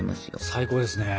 最高ですね。